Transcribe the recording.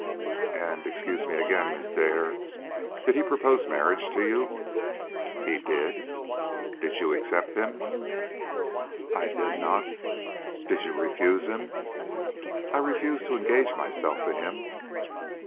"And excuse me again, Miss Dare did he propose marriage to you?" "He did." "Did you accept him?" "I did not." "Did you refuse him?" "I refused to engage myself to him."